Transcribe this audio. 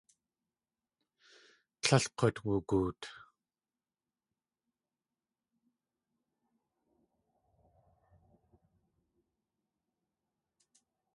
Tlél k̲ut wugoot.